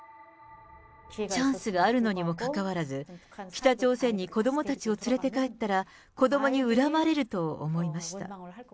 チャンスがあるのにもかかわらず、北朝鮮に子どもたちを連れて帰ったら、子どもに恨まれると思いました。